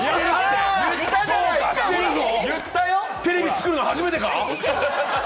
テレビ作るの初めてか？